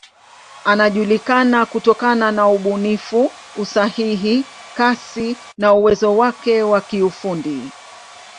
Anajulikana kutokana na ubunifu, usahihi, kasi na uwezo wake wa kiufundi.